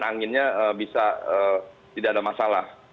anginnya bisa tidak ada masalah